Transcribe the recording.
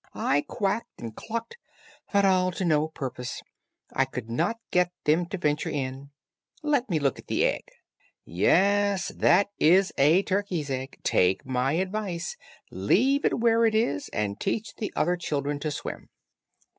I quacked and clucked, but all to no purpose. I could not get them to venture in. Let me look at the egg. Yes, that is a turkey's egg; take my advice, leave it where it is and teach the other children to swim."